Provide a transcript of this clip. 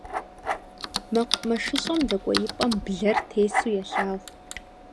МэкъумэшыщӀэм дэкӀуеипӀэм блэр тесу елъагъу.